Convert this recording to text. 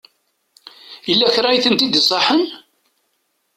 Yella kra i tent-id-isaḥen?